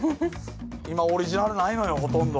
今オリジナルないのよほとんど。